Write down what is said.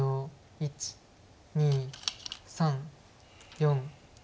１２３４。